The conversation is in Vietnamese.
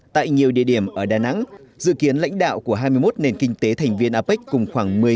tại nhiều địa điểm ở đà nẵng dự kiến lãnh đạo của hai mươi một nền kinh tế thành viên apec cùng khoảng một mươi